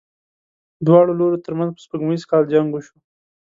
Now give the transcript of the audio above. د دواړو لورو تر منځ په سپوږمیز کال جنګ وشو.